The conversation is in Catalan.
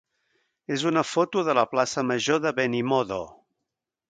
és una foto de la plaça major de Benimodo.